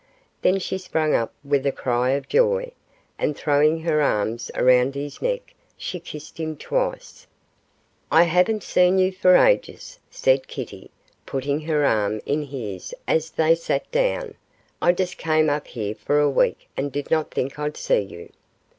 Then she sprang up with a cry of joy, and throwing her arms around his neck, she kissed him twice. 'I haven't seen you for ages,' said Kitty, putting her arm in his as they sat down. 'I just came up here for a week, and did not think I'd see you.